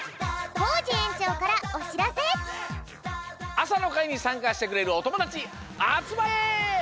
あさのかいにさんかしてくれるおともだちあつまれ！